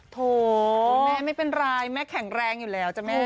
โถแม่ไม่เป็นไรแม่แข็งแรงอยู่แล้วจ้ะแม่